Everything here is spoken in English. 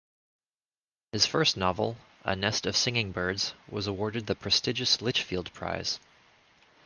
His first novel "A Nest of Singing Birds" was awarded the prestigious Litchfield Prize.